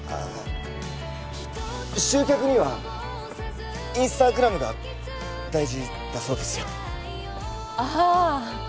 集客にはインスタグラムが大事だそうですよああ